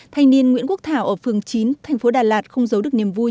thanh niên nguyễn quốc thảo ở phường chín thành phố đà lạt không giấu được niềm vui